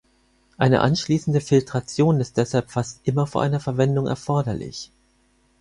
Eine anschließende Filtration ist deshalb fast immer vor einer Verwendung erforderlich.